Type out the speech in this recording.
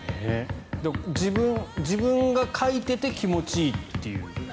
自分がかいていて気持ちいいという。